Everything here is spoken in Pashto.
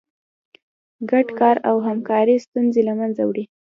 ګډ کار او همکاري ستونزې له منځه وړي.